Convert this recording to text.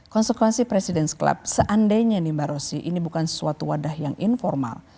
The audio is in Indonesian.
konsekuensi president s club seandainya ini mbak rosy ini bukan sesuatu wadah yang informal